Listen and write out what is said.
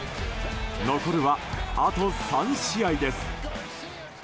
残るは、あと３試合です。